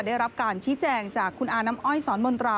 ได้รับการชี้แจงจากคุณอาน้ำอ้อยสอนมนตรา